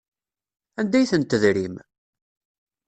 Anda ay ten-tedrim?